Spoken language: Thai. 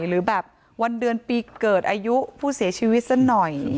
หรือแบบวันเดือนปีเกิดอายุผู้เสียชีวิตสักหน่อย